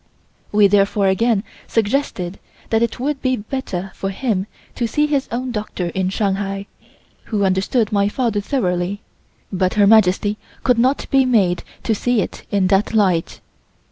We therefore again suggested that it would be better for him to see his own doctor in Shanghai, who understood my father thoroughly, but Her Majesty could not be made to see it in that light.